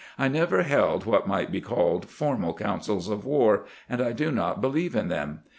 I never held what might be called formal councils of war, and I do not believe in them.